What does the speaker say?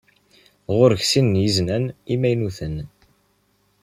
Ɣur-k sin n yiznan imaynuten.